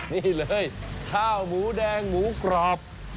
นี่เลยข้าวหมูแดงหมูกรอบ